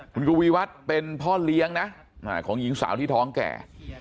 คุณกวีวัฒน์เป็นพ่อเลี้ยงนะของหญิงสาวที่ท้องแก่